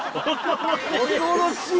恐ろしい。